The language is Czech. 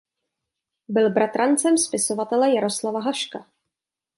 Byl bratrancem spisovatele Jaroslava Haška.